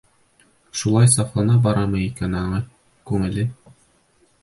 Шулай сафлана барамы икән аңы, күңеле?